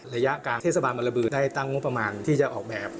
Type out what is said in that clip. ระยะกลางเทศบาลบรบือได้ตั้งงบประมาณที่จะออกแบบ